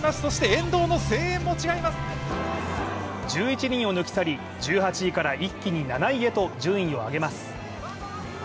１１人を抜き去り、１８位から一気に７位へと順位を上げます。